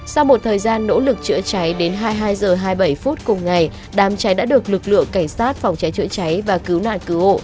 sau một thời gian nỗ lực chữa cháy đến hai mươi hai h hai mươi bảy phút cùng ngày đám cháy đã được lực lượng cảnh sát phòng cháy chữa cháy và cứu nạn cứu hộ